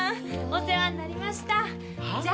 お世話になりましたはぁ？